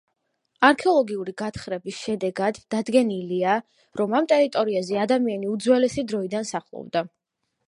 არქეოლოგიური გათხრების შედეგად დადგენილია, რომ ამ ტერიტორიაზე ადამიანი უძველესი დროიდან სახლობდა.